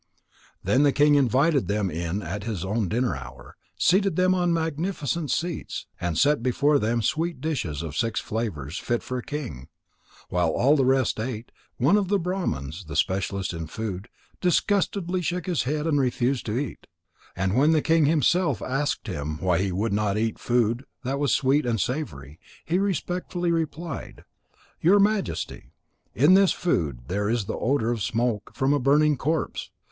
Then the king invited them in at his own dinner hour, seated them on magnificent seats, and set before them sweet dishes of six flavours, fit for a king. While all the rest ate, one of the Brahmans, the specialist in food, disgustedly shook his head and refused to eat. And when the king himself asked him why he would not eat food that was sweet and savoury, he respectfully replied: "Your Majesty, in this food there is the odour of smoke from a burning corpse.